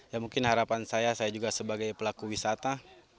ya mungkin harapan saya saya juga sebagai pelaku wisata